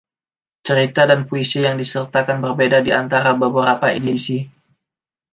Cerita dan puisi yang disertakan berbeda di antara beberapa edisi.